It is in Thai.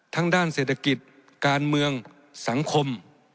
ด้านเศรษฐกิจการเมืองสังคม